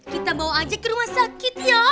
kita bawa aja ke rumah sakit ya